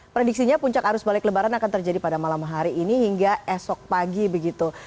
prediksinya puncak arus balik lebaran akan terjadi pada malam hari ini hingga esok pagi begitu